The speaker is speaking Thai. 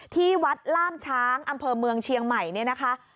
ที่วัดล่ามช้างอำเภอเมืองเชียงใหม่เนี่ยนะคะ